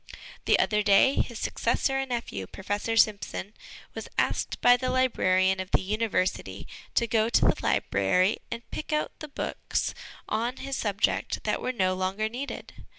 The other day his successor and nephew, Professor Simpson, was asked by the librarian of the University to go to the library and pick out the books on his subject that were no longer needed.